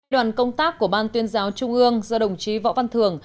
đoàn công tác của ban tuyên giáo trung ương do đồng chí võ văn thường